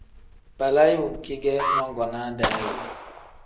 Balaayi wenki ge nyongonaa daa ye ?